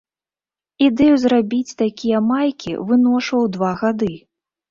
Ідэю зрабіць такія майкі выношваў два гады.